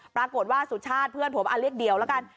ปรากฏว่าสุชาติเพื่อนผมเรียกเดี่ยวแล้วกัน